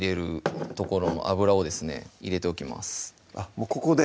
もうここで？